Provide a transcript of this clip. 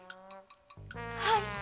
はい。